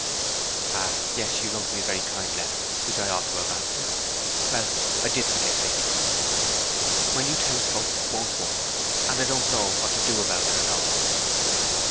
'Ah, yes; you wrote me a very kind letter, which I ought to have answered. Well, I did forget, Lady Constantine. My new telescope won't work, and I don't know what to do about it at all!'